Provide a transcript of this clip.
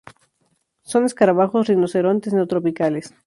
Son escarabajos rinocerontes neotropicales.